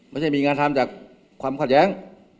ไม่ใช่มีงานทำจากความขัดแย้ง